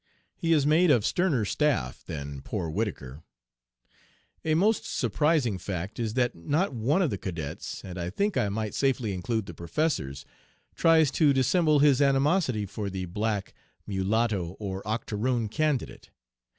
He is made of sterner staff than poor Whittaker. "A most surprising fact is that not one of the cadets and I think I might safely include the professors tries to dissemble his animosity for the black, mulatto, or octoroon candidate.